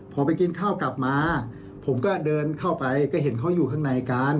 พอไปกินข้าวกลับมาผมก็เดินเข้าไปก็เห็นเขาอยู่ข้างในกัน